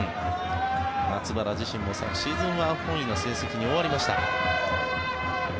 松原自身も昨シーズンは不本意な成績に終わりました。